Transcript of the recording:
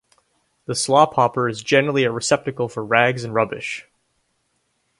The slop-hopper is generally a receptacle for rags and rubbish.